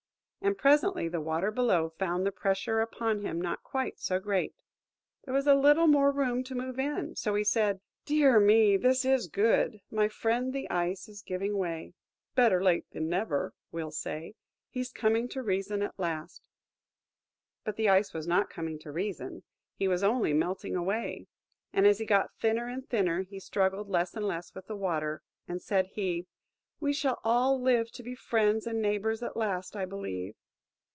And presently the Water below found the pressure upon him not quite so great. There was a little more room to move in. So said he: "Dear me! this is good. My friend the Ice is giving way. 'Better late than never,' we'll say. He's coming to reason at last." But the Ice was not coming to reason–he was only melting away. And as he got thinner and thinner, he struggled less and less with the Water; and said he, "We shall all live to be friends and neighbours at last, I believe."